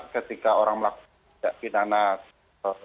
ketika orang melakukan tindakan